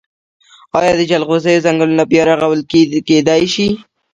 آیا د جلغوزیو ځنګلونه بیا رغول کیدی شي؟